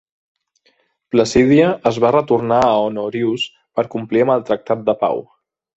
Placidia es va retornar a Honorius per complir amb el tractat de pau.